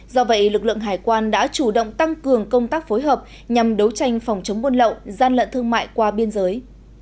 do vậy lực lượng hải quan đã chủ động tăng cường công tác phối hợp nhằm đấu tranh phòng chống buôn lậu gian lận thương mại qua biên giới